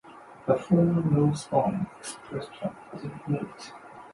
The former northbound express track was removed.